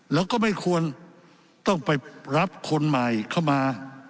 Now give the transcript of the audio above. แล้วก็ไม่ควรต้องไปรับคนใหม่เข้ามา